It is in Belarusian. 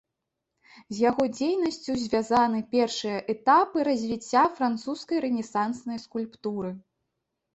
З яго дзейнасцю звязаны першыя этапы развіцця французскай рэнесанснай скульптуры.